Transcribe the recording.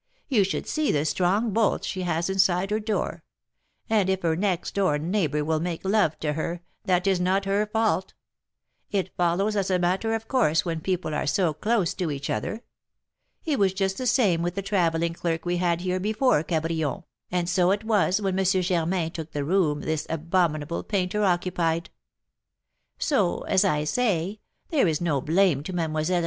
You should see the strong bolts she has inside her door; and if her next door neighbour will make love to her, that is not her fault; it follows as a matter of course when people are so close to each other. It was just the same with the travelling clerk we had here before Cabrion, and so it was when M. Germain took the room this abominable painter occupied. So, as I say, there is no blame to Mlle.